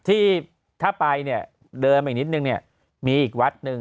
ที่ถ้าไปเนี่ยเดิมอีกนิดนึงเนี่ยมีอีกวัดหนึ่ง